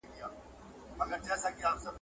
که کرنه عصري سي نو د خامو موادو تولید زیاتیږي.